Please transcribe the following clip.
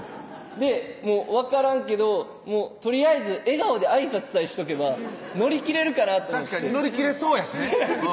で分からんけどとりあえず笑顔であいさつさえしとけば乗り切れるかなと思って確かに乗り切れそうやしね